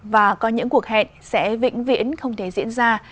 và có những cuộc hẹn sẽ vĩnh viễn không thể diễn ra